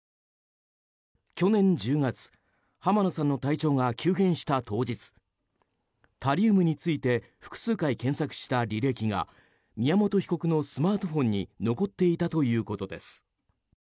去年１０月浜野さんの体調が急変した当日タリウムについて複数回検索した履歴が宮本被告のスマートフォンに残っていたということです。